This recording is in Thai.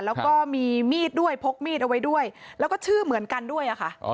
แล้วก็มีมีดด้วยพกมีดเอาไว้ด้วยแล้วก็ชื่อเหมือนกันด้วยค่ะ